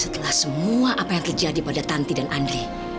setelah semua apa yang terjadi pada tanti dan andri